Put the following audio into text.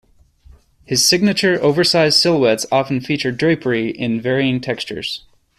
His signature oversized silhouettes often feature drapery in varying textures.